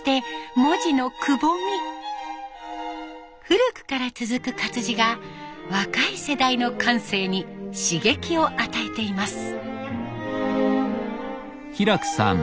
古くから続く活字が若い世代の感性に刺激を与えています。